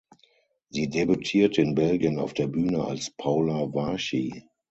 Sie debütierte in Belgien auf der Bühne als Paula Varchi.